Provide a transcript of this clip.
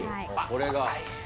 これが？